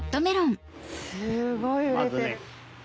すごい熟れてる。